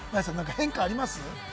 変化あります？